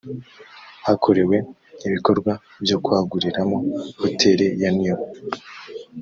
hakorerwe ibikorwa byo kwaguriramo hoteli ya new